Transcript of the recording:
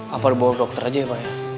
apa dibawa ke dokter aja pak ya